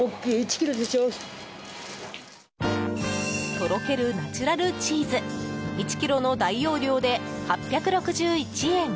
とろけるナチュラルチーズ１ｋｇの大容量で８６１円。